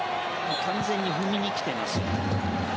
完全に踏みに来てますよね。